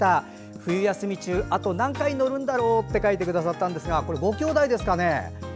冬休み中、あと何回乗るんだろうって書いてくださいましたがこれ、ご兄弟ですかね。